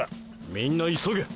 みんな急げ。